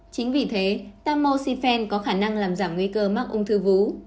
chính vì thế tamoxyfen có khả năng làm giảm nguy cơ mắc ung thư vú